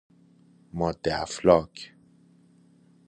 ماده افلاک